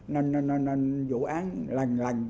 nên vụ án lành lành